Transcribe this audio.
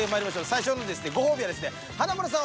最初のご褒美はですね華丸さん